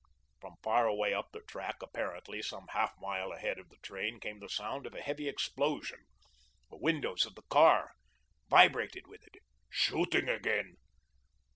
From far away up the track, apparently some half mile ahead of the train, came the sound of a heavy explosion. The windows of the car vibrated with it. "Shooting again."